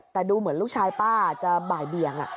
แต่ดูเหมือนลูกชายป้าจะบ่ายเบียง